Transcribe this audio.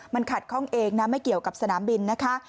มันขัดข้องเองนะไม่เกี่ยวกับสนามบินนะคะ